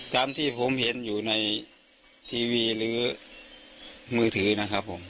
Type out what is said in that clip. ตามที่ผมเห็นอยู่ในทีวีหรือมือถือนะครับผม